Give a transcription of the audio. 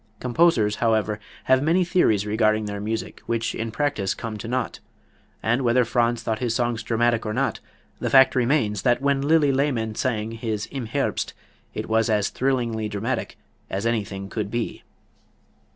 Composers, however, have many theories regarding their music which, in practice, come to naught; and whether Franz thought his songs dramatic or not, the fact remains that when Lilli Lehmann sang his "Im Herbst" it was as thrillingly dramatic as anything could be.